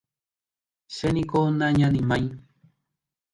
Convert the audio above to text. Chéniko nañanimái.